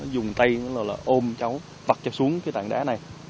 dùng tay ôm cháu vặt cháu xuống cái tảng đá này